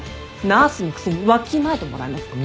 ナースのくせにわきまえてもらえますか？